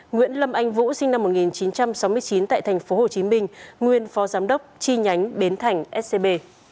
nguyễn lâm anh vũ sinh năm một nghìn chín trăm sáu mươi chín tại tp hcm nguyên phó giám đốc chi nhánh bến thành scb